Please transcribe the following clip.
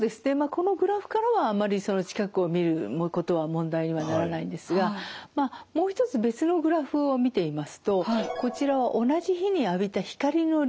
このグラフからはあまり近くを見ることは問題にはならないんですがもう一つ別のグラフを見てみますとこちらは同じ日に浴びた光の量。